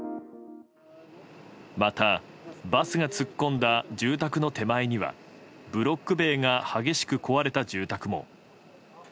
また、バスが突っ込んだ住宅の手前にはブロック塀が激しく壊れた住宅も。